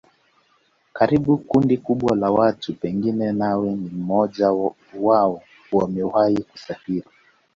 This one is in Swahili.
Karibu kundi kubwa la watu pengine nawe ni mmoja wao wamewahi kusafiri